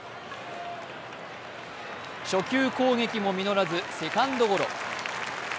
初球攻撃も実らずセカンドゴロ。